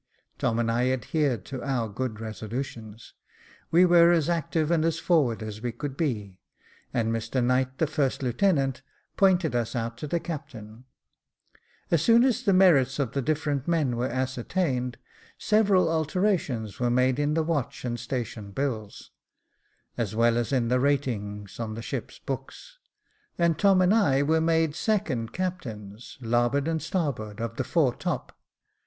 Tom and I adhered to our good resolutions. We were as active and as forward as we could be ; and Mr Knight, the first lieutenant, pointed us out to the captain. As soon as the merits of the different men were ascertained, several alterations were made in the watch and station bills, as well as in the ratings on the ship's books, and Tom and I were made second captains, larboard and starboard, of the foretop.